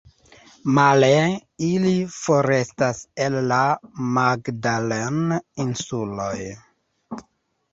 Male ili forestas el la Magdalen-Insuloj.